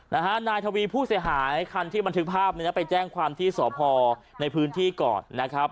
นายทวีผู้เสียหายคันที่บันทึกภาพเนี่ยนะไปแจ้งความที่สพในพื้นที่ก่อนนะครับ